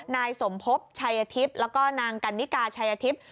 นายสมพบชัยอธิบแล้วก็นางกันนิกาชัยอธิบ